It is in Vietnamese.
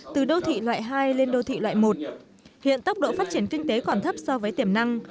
từ đô thị loại hai lên đô thị loại một hiện tốc độ phát triển kinh tế còn thấp so với tiềm năng